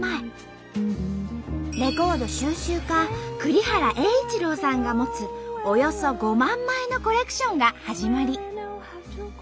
レコード収集家栗原榮一朗さんが持つおよそ５万枚のコレクションが始まり。